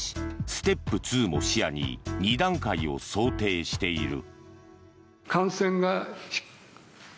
ステップ２も視野に２段階を想定している。